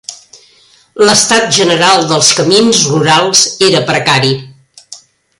L'estat general dels camins rurals era precari.